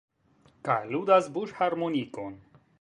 Kaj ludas buŝharmonikon.